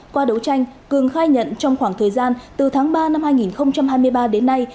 qua đấu tranh cường khai nhận trong khoảng thời gian từ tháng ba năm hai nghìn hai mươi ba đến nay